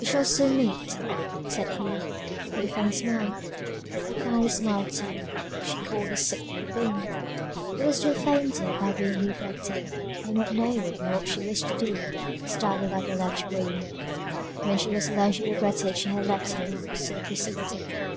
"We shall soon meet," said he, with a faint smile; Mary smiled too; she caught the sickly beam; it was still fainter by being reflected, and not knowing what she wished to do, started up and left the room. When she was alone she regretted she had left him so precipitately.